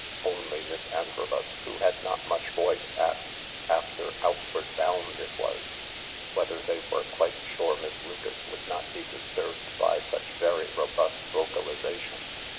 Only Miss Antrobus, who had not much voice, asked— after " Outward Bound " it was— whether they were quite sure Miss Lucas would not be disturbed by such very robust vocalisation.